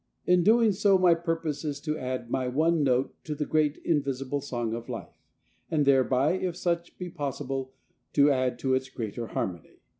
In doing so my purpose is to add my one note to the great invisible song of life, and thereby, if such be possible, to add to its greater harmony.